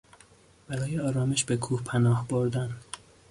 برای آرامش به کوه پناه بردن